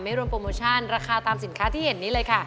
รวมโปรโมชั่นราคาตามสินค้าที่เห็นนี้เลยค่ะ